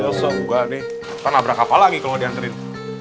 ustadz ntar abraka apa lagi kalau dia anterin